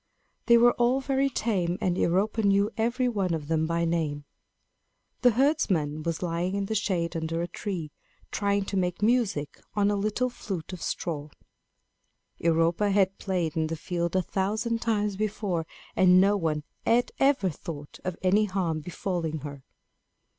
They were all very tame, and Europa knew every one of them by name. The herdsman was lying in the shade under a tree, trying to make music on a little flute of straw. Europa had played in the field a thousand times before, and no one had ever thought of any harm befalling her.